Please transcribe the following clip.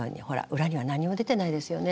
裏には何にも出てないですよね